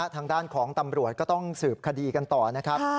ทางด้านของตำรวจก็ต้องสืบคดีกันต่อนะครับ